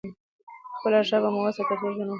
خپله ژبه مو وساتئ ترڅو ژوندي پاتې شئ.